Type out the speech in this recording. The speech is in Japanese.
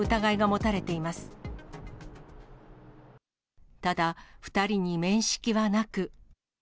ただ、２人に面識はなく。